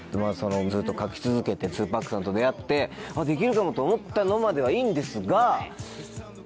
ずっと書き続けて２ＰＡＣさんと出会って「できるかも」と思ったのまではいいんですが。